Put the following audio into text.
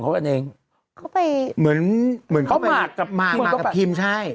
เขาไปเหมือนเขามากกับคิมใช่